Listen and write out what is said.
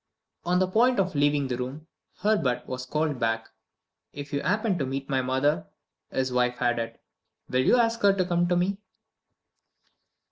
On the point of leaving the room, Herbert was called back. "If you happen to meet with my mother," his wife added, "will you ask her to come to me?"